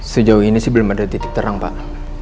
sejauh ini sih belum ada titik terang pak